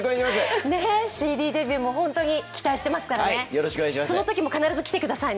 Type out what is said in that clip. ＣＤデビューも期待していますからそのときも必ず来てくださいね。